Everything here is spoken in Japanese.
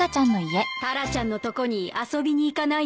タラちゃんのとこに遊びに行かないの？